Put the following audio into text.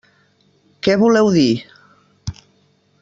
Què voleu dir?